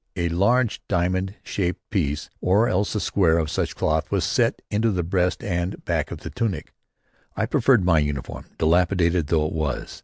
A large diamond shaped piece or else a square of such cloth was set into the breast and back of the tunic. I preferred my uniform, dilapidated though it was.